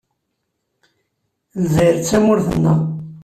Lezzayer d tamurt-nneɣ.